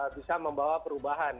bisa membawa perubahan